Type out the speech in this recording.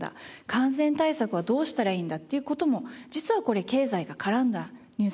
感染対策はどうしたらいいんだっていう事も実はこれ経済が絡んだニュースなんですね。